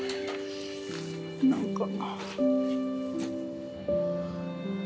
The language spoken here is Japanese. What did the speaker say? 何か。